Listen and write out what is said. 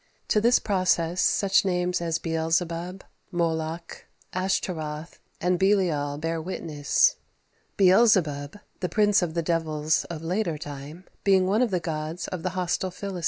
To this process such names as Beelzebub, Moloch, Ashtaroth, and Belial bear witness; Beelzebub, "the prince of the devils" of later time, being one of the gods of the hostile Philistines.